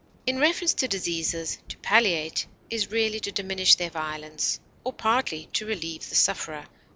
In reference to diseases, to palliate is really to diminish their violence, or partly to relieve the sufferer.